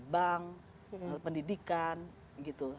bank pendidikan gitu